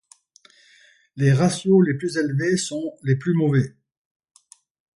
Les ratios les plus élevés sont les plus mauvais.